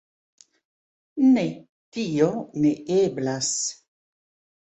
Ne, tio ne eblas.